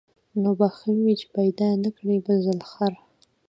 نو به ښه وي چي پیدا نه کړې بل ځل خر